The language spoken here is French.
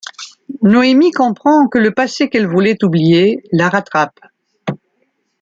Noémie comprend que le passé qu'elle voulait oublier, la rattrape.